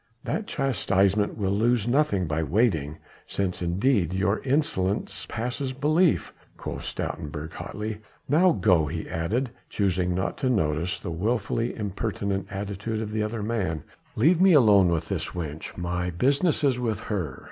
"That chastisement will lose nothing by waiting, since indeed your insolence passes belief," quoth Stoutenburg hotly. "Now go!" he added, choosing not to notice the wilfully impertinent attitude of the other man, "leave me alone with this wench. My business is with her."